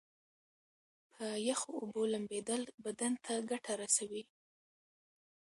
په یخو اوبو لمبیدل بدن ته ګټه رسوي.